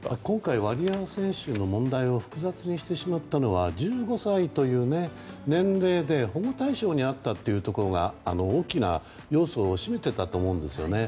今回ワリエワ選手の問題を複雑にしてしまったのは１５歳という年齢で保護対象にあったというのが大きな要素を占めていたと思うんです。